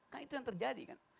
kan itu yang terjadi kan